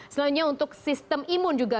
selainnya untuk sistem imun juga